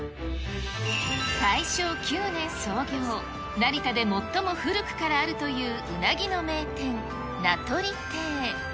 大正９年創業、成田でもっとも古くからあるという、うなぎの名店、名取亭。